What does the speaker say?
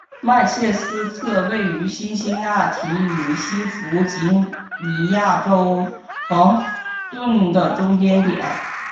曼彻斯特位于辛辛那提与西弗吉尼亚州亨廷顿的中间点。